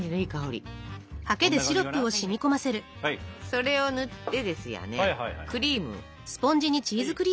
それを塗ってですよねクリーム。